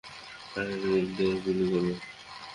টার্গেটদের গুলি করবে।